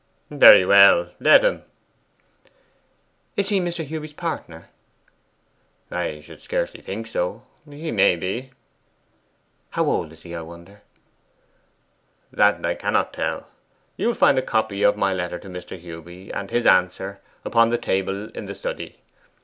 'Very well; let him.' 'Is he Mr. Hewby's partner?' 'I should scarcely think so: he may be.' 'How old is he, I wonder?' 'That I cannot tell. You will find the copy of my letter to Mr. Hewby, and his answer, upon the table in the study.